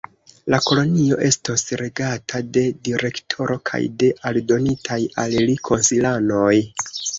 La kolonio estos regata de direktoro kaj de aldonitaj al li konsilanoj.